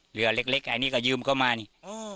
เหลือเล็กอันนี้ก็ยืมเข้ามานี่